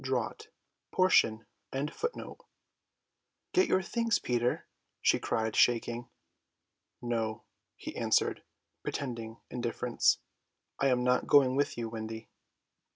"Get your things, Peter," she cried, shaking. "No," he answered, pretending indifference, "I am not going with you, Wendy."